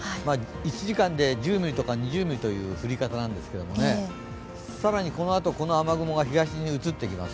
１時間で１０ミリとか２０ミリとかっていう降り方ですが更にこのあとこの雨雲が東に移ってきます。